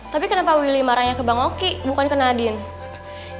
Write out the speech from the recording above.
tapi kenapa willy marahnya ke bang oki bukan ke nadine